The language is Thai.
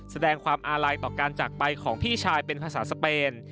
แสดงความอาลัยต่อการจากไปของพี่ชายเป็นภาษาสเปน